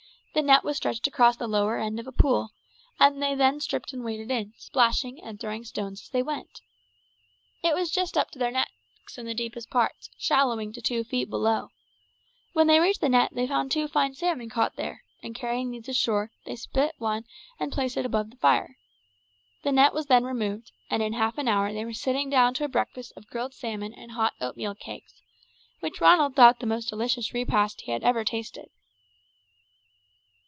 The net was stretched across the lower end of a pool, and they then stripped and waded in, splashing and throwing stones as they went. It was just up to their necks in the deepest parts, shallowing to two feet below. When they reached the net they found two fine salmon caught there, and carrying these ashore they split one and placed it above the fire. The net was then removed, and in half an hour they were sitting down to a breakfast of grilled salmon and hot oatmeal cakes, which Ronald thought the most delicious repast he had ever tasted.